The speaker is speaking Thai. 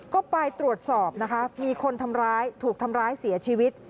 ก็ไปตรวจสอบนะคะมีคนทำร้ายถูกทำร้ายเสียชีวิต